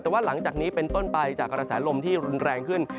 แต่ว่าหลังจากนี้เป็นต้นไปจากกระแสลมที่รุนแรงขึ้น